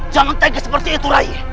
jangan tegas seperti itu lagi